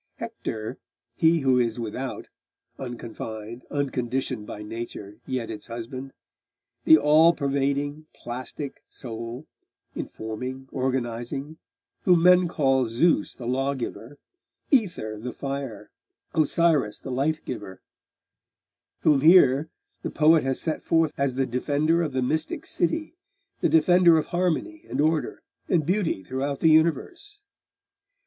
Hector, he who is without unconfined, unconditioned by Nature, yet its husband? the all pervading, plastic Soul, informing, organising, whom men call Zeus the lawgiver, Aether the fire, Osiris the lifegiver; whom here the poet has set forth as the defender of the mystic city, the defender of harmony, and order, and beauty throughout the universe?